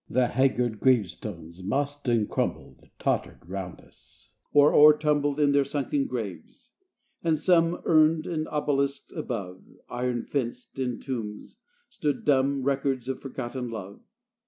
Haggard gravestones, mossed and crumbled, Tottered round us, or o'ertumbled In their sunken graves; and some, Urned and obelisked above Iron fenced in tombs, stood dumb Records of forgotten love.